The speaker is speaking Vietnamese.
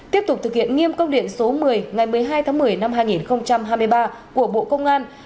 tiếp tục thực hiện nghiêm công điện số một mươi ngày một mươi hai tháng một mươi năm hai nghìn hai mươi ba của bộ công an